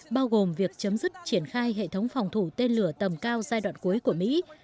bao gồm việc chấm dứt triển khai hệ thống phòng thủ tên lửa tầm cao giai đoạn cuối của mỹ